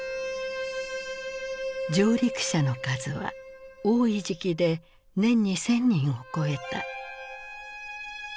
上陸者の数は多い時期で年に１，０００人を超えた。